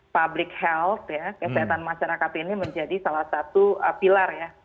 public health ya kesehatan masyarakat ini menjadi salah satu pilar ya